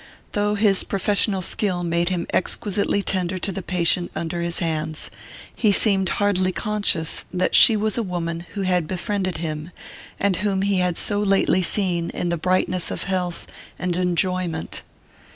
Though his professional skill made him exquisitely tender to the patient under his hands, he seemed hardly conscious that she was a woman who had befriended him, and whom he had so lately seen in the brightness of health and enjoyment.